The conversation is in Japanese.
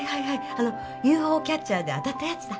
あのＵＦＯキャッチャーで当たったやつだ！